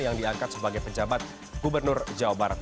yang diangkat sebagai penjabat gubernur jawa barat